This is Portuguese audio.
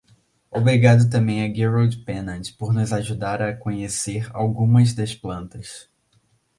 Obrigado também a Gerald Pennant por nos ajudar a conhecer algumas das plantas.